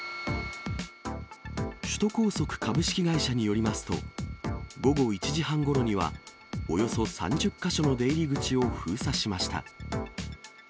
首都高速株式会社によりますと、午後１時半ごろには、およそ３０か所の出入り口を封鎖しました。